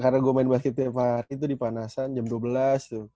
ya karena gue main basket kepari itu di panasan jam dua belas tuh